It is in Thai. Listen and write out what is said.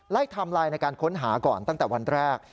ไทม์ไลน์ในการค้นหาก่อนตั้งแต่วันแรก